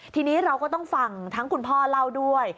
ทีนี้เราก็ต้องฟังทั้งคุณพ่อเล่าด้วย